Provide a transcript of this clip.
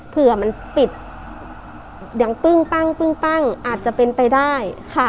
เผื่อมันปิดยังปึ้งปั้งอาจจะเป็นไปได้